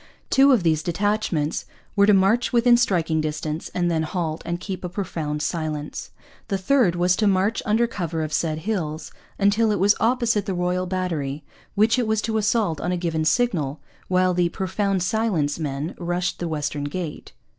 Two of these detachments were to march within striking distance and then 'halt and keep a profound silence.' The third was to march 'under cover of said hills' until it came opposite the Royal Battery, which it was to assault on a given signal; while the 'profound silence' men rushed the western gate.